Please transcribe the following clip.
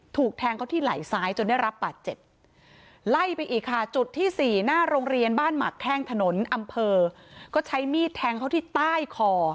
ถูกแทงเขาที่ไหล่ซ้ายจนได้รับบาดเจ็บไล่ไปอีกค่ะจุดที่สี่หน้าโรงเรียนบ้านหมักแข้งถนนอำเภอก็ใช้มีดแทงเขาที่ใต้คอ